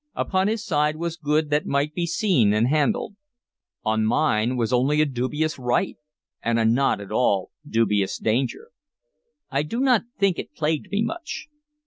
Upon his side was good that might be seen and handled; on mine was only a dubious right and a not at all dubious danger. I do not think it plagued me much.